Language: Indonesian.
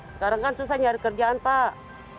sekarang kan susah nyari kerjaan pak